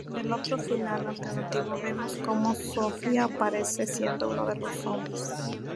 En el otro final alternativo vemos como Sophie aparece siendo uno de los zombies.